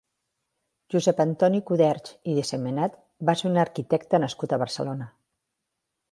Josep Antoni Coderch i de Sentmenat va ser un arquitecte nascut a Barcelona.